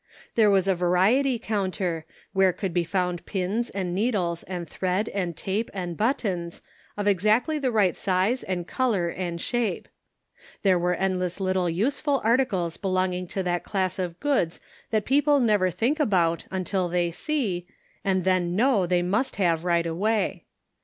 There was a va riety counter, where could be found pins and needles and thread and tape and buttons, of exactly the right size and color and shape. There were endless little useful articles belong ing to that class of goods that people never think about until they see, and then know they must have right away.